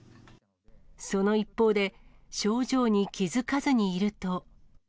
その一方で、症状に気付かずにいると。